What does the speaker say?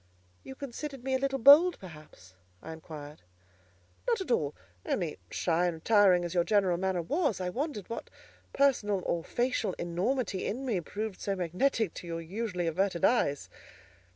"You considered me a little bold; perhaps?" I inquired. "Not at all. Only, shy and retiring as your general manner was, I wondered what personal or facial enormity in me proved so magnetic to your usually averted eyes."